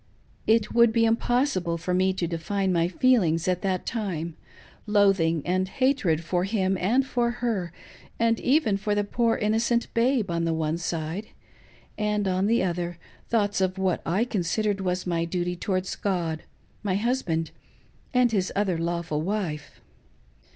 It would be impossible for me to define my feelings at that time ;— loathing and hatred for him and for her, and even for the poor innoceijt babe, on the one side ; and, on the other, thoughts of what I considered was my duty towards God, my husband, and his other lawful wife.